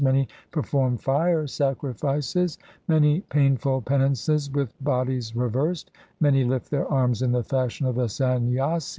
Many perform fire sacrifices, Many painful penances with bodies reversed, Many lift their arms in the fashion of the Sanyasis.